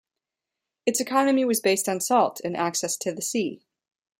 Its economy was based on salt and access to the sea.